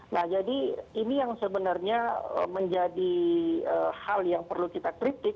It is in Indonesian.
nah jadi ini yang sebenarnya menjadi hal yang perlu kita kritik